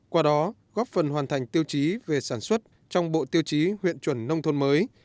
qua đó góp phần hoàn thành tiêu chí về sản xuất trong bộ tiêu chí huyện chuẩn nông thôn mới